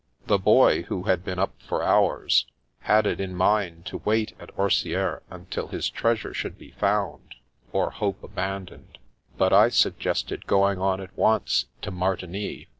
The Boy, who had been up for hours, had it in mind to wait at Orsieres until his treasure should be found, or hope abandoned ; but I suggested going on at once to Martigny.